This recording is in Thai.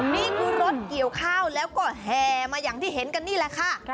นี่คือรถเกี่ยวข้าวแล้วก็แห่มาอย่างที่เห็นกันนี่แหละค่ะ